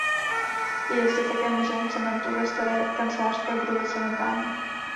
Je zde také muzeum cementu ve staré kancelářské budově cementárny.